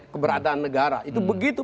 keberadaan negara itu begitu